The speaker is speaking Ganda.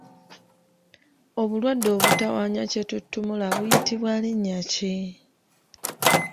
Obulwadde obutawaanya kyetutumula buyitibwa linnya ki?